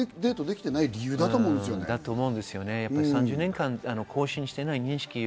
アップデートできていない理由だと思うんですよね。